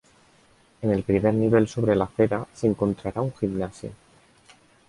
En el primer nivel sobre la acera, se encontrará un gimnasio.